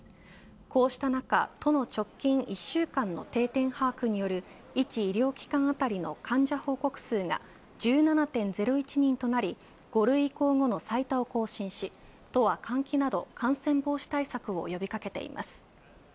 こうした中都の直近１週間の定点把握による１医療機関当たりの患者報告数が１７．０１人となり５類移行後の最多を更新し都は換気など感染防止対策を呼び掛けています。